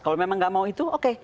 kalau memang nggak mau itu oke